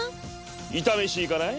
イタ飯行かない？